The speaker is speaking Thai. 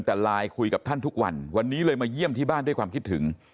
แต่ไลน์คุยกับท่านทุกวันวันนี้เลยมาเยี่ยมที่บ้านด้วยความคิดถึง